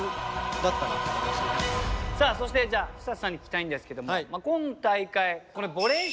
さあそしてじゃあ寿人さんに聞きたいんですけども今大会ボレー